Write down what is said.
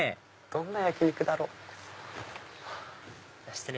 どんな焼き肉だろう？